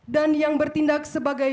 dan yang bertindak sebagai